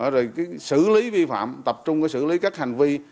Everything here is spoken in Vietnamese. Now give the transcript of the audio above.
rồi xử lý vi phạm tập trung xử lý các hành vi